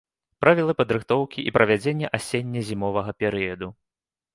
Правілы падрыхтоўкі і правядзення асенне-зімовага перыяду.